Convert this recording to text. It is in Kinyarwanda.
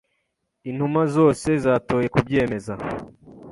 Intumwa zose zatoye kubyemeza.